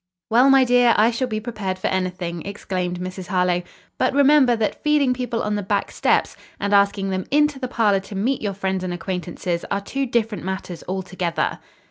"Well, my dear, I shall be prepared for anything," exclaimed Mrs. Harlowe; "but remember that feeding people on the back steps and asking them into the parlor to meet your friends and acquaintances are two different matters altogether."